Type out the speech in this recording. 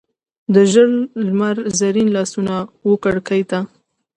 د ژړ لمر زرین لاسونه وکړکۍ ته،